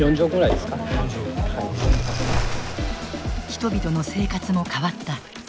人々の生活も変わった。